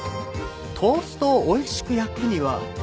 トーストをおいしく焼くには。